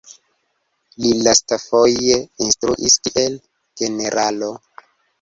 Li lastfoje instruis kiel generalo.